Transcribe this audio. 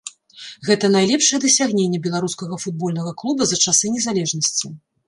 Гэта найлепшае дасягненне беларускага футбольнага клуба за часы незалежнасці.